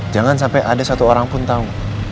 jangan sampai ada satu orang pun tahu